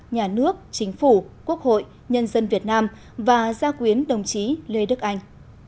nhà nước chính phủ quốc hội nhân dân việt nam và gia quyến đồng chí lê đức anh